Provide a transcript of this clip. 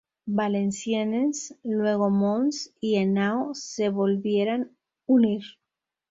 Valenciennes luego Mons y Henao se volvieran unir.